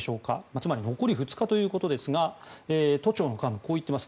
つまり残り２日ということですが都庁の幹部はこう言っています。